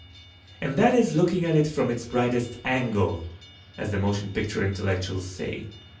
And that is looking at it from its brightest "angle" (as the motion picture intellectuals say).